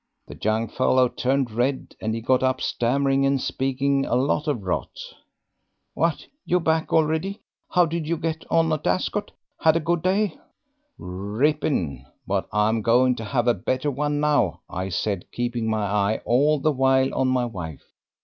The young fellow turned red, and he got up, stammering, and speaking a lot of rot. "'What! you back already? How did you get on at Ascot? Had a good day?' "'Rippin'; but I'm going to have a better one now,' I said, keeping my eye all the while on my wife.